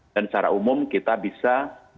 dan secara umum kita bisa